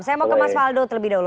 saya mau ke mas waldo terlebih dahulu